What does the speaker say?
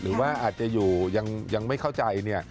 หรือว่าอาจจะอยู่ยังไม่เข้าใจเนี่ย